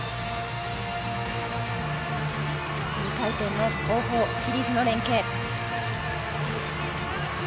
２回転の後方シリーズの連係。